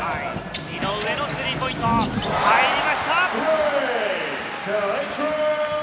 井上のスリーポイント、入りました！